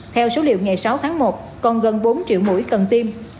theo số liệu ngày sáu tháng một còn gần bốn triệu mũi cần tiêm